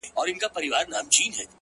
د مرور روح د پخلا وجود کانې دي ته؛